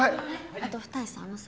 あと二石さんあのさ。